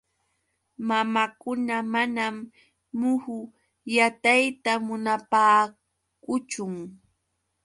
Mamakuna manam muhu yatayta munaapaakuchun.